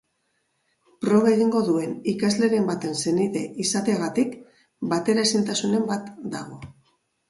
Proba egingo duen ikasleren baten senide izateagatik bateraezintasunen bat dago.